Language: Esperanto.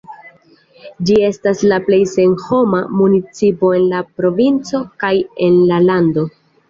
Ĝi estas la plej senhoma municipo en la provinco kaj en la lando.